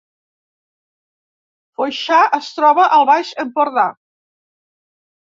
Foixà es troba al Baix Empordà